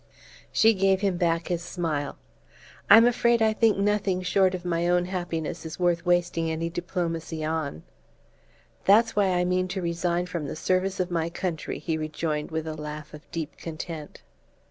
She gave him back his smile. "I'm afraid I think nothing short of my own happiness is worth wasting any diplomacy on!" "That's why I mean to resign from the service of my country," he rejoined with a laugh of deep content.